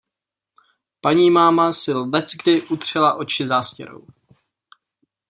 Panímáma si leckdy utřela oči zástěrou.